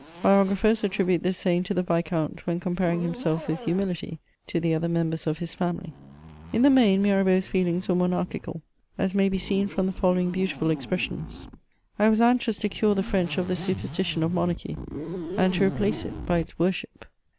.... Biographers attribute this saying to the viscount, when com paring himself with humility to the other members of his family. In the main, Mirabeau s feelings were monarchical, as may be seen from the following beautiful expressions :—" I was anxiou? to cure the French of the superstition of monarchy, and to replace it by its worship."